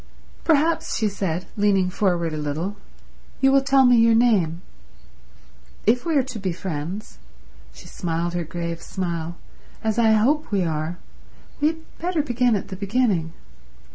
"Perhaps," she said, leaning forward a little, "you will tell me your name. If we are to be friends"—she smiled her grave smile—"as I hope we are, we had better begin at the beginning."